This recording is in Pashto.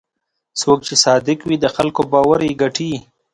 څوک چې صادق وي، د خلکو باور یې ګټي.